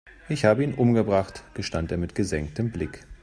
Ich habe ihn umgebracht, gestand er mit gesenktem Blick.